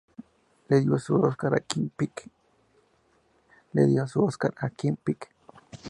Le dio su "Óscar" a Kim Peek.